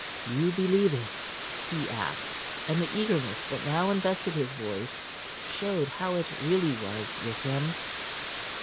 "You believe it?" he asked, and the eagerness that now invested his voice showed how it really was with him.